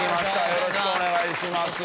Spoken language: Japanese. よろしくお願いします。